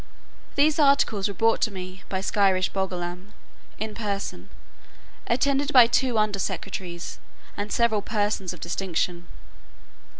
These articles were brought to me by Skyresh Bolgolam in person attended by two under secretaries, and several persons of distinction.